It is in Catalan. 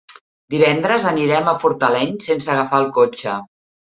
Divendres anirem a Fortaleny sense agafar el cotxe.